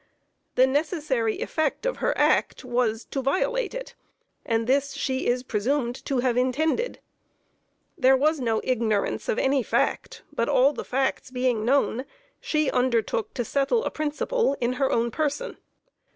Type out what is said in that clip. The necessary effect of her act was to violate it, and this she is presumed to have intended. There was no ignorance of any fact, but all the facts being known, she undertook to settle a principle in her own person.